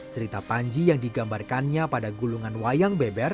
cerita panji yang digambarkannya pada gulungan wayang beber